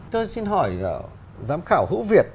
tôi xin hỏi giám khảo hữu việt